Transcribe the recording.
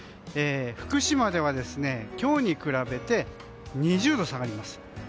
福島では、今日に比べて２０度下がります。